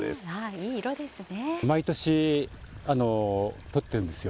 いい色ですね。